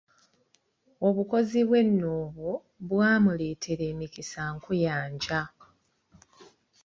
Obukozi bwe nno obwo, bwamuleetera emikisa nkuyanja.